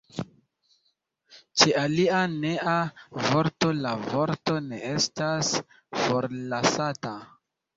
Ĉe alia nea vorto la vorto ne estas forlasata.